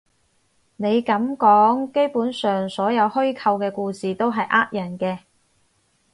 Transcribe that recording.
你噉講，基本上所有虛構嘅故事都係呃人嘅